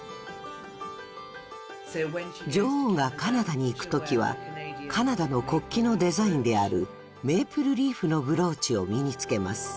女王がカナダに行く時はカナダの国旗のデザインであるメープルリーフのブローチを身につけます。